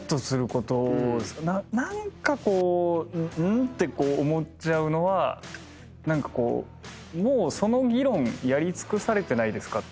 何かこううん？って思っちゃうのはもうその議論やり尽くされてないですかっていうタイプの質問。